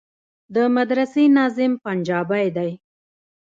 د مدرسې ناظم پنجابى دى.